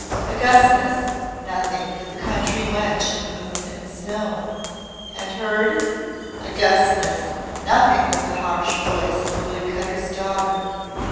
"Augustness, nothing but the country wench and moon and snow." "And heard?" "Augustness, nothing but the harsh voice of the wood cutter's daughter."